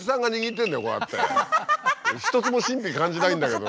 だって一つも神秘感じないんだけどな。